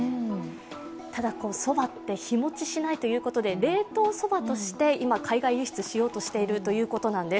ただ、そばって日持ちしないということで、冷凍そばとして今、海外輸出しようとしているということなんです。